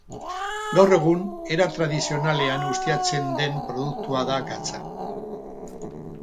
Gaur egun era tradizionalean ustiatzen den produktua da gatza.